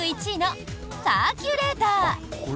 １位のサーキュレーター。